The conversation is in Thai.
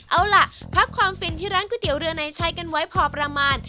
เอาล่ะพักความฟินที่ร้านก๋วยเตี๋ยวเรือในใช้กันไว้พอประมาณ